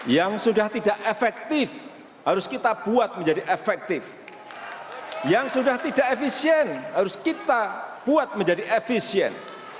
yang sudah tidak efektif harus kita buat menjadi efektif yang sudah tidak efisien harus kita buat menjadi efisien